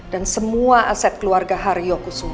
dan semua aset keluarga hariyoku semua